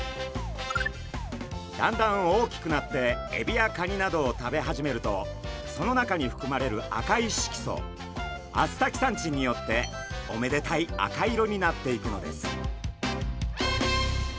だんだん大きくなってエビやカニなどを食べ始めるとその中にふくまれる赤い色素アスタキサンチンによっておめでたい赤色になっていくのです。